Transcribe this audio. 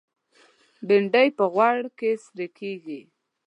بېنډۍ په غوړ کې سرېږي